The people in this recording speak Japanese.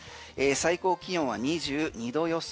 最高気温は２２度予想。